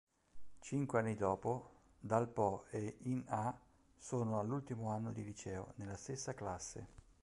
Cinque anni dopo, Dal-po e In-ha sono all'ultimo anno di liceo, nella stessa classe.